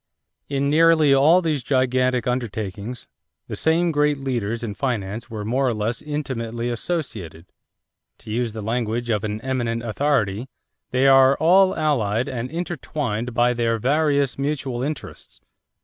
In nearly all these gigantic undertakings, the same great leaders in finance were more or less intimately associated. To use the language of an eminent authority: "They are all allied and intertwined by their various mutual interests.